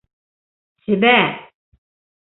Себә!